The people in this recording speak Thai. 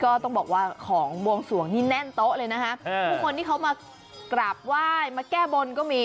ก็ต้องบอกว่าของบวงส่วงนี่แน่นโต๊ะเลยนะคะทุกคนที่เขามากลับว่ายมาแก้บน